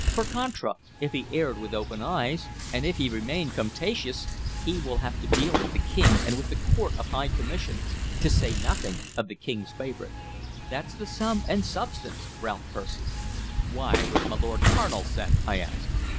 Per contra, if he erred with open eyes, and if he remain contumacious, he will have to deal with the King and with the Court of High Commission, to say nothing of the King's favorite. That's the sum and substance, Ralph Percy." "Why was my Lord Carnal sent?" I asked.